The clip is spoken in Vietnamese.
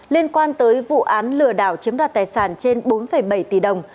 liên quan tới vụ án lừa đảo chiếm đoạt tài sản trên bốn bảy tỷ đồng